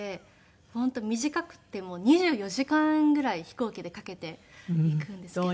本当短くても２４時間ぐらい飛行機でかけて行くんですけど。